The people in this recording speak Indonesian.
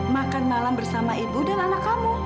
makan malam bersama ibu dan anak kamu